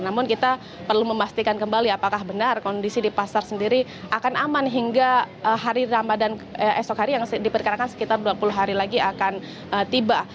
namun kita perlu memastikan kembali apakah benar kondisi di pasar sendiri akan aman hingga hari ramadhan esok hari yang diperkirakan sekitar dua puluh hari lagi akan tiba